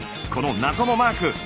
この謎のマーク